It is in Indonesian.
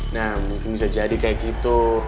nah mungkin bisa jadi kayak gitu